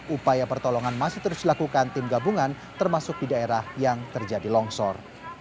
upaya pertolongan masih terus dilakukan tim gabungan termasuk di daerah yang terjadi longsor